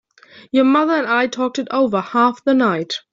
Your mother and I talked it over half the night.